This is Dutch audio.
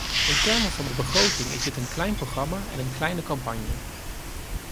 In termen van de begroting is dit een klein programma en een kleine campagne.